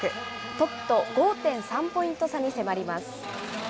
トップと５．３ポイント差に迫ります。